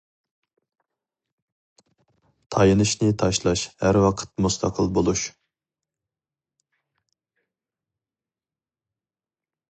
تايىنىشنى تاشلاش، ھەر ۋاقىت مۇستەقىل بولۇش.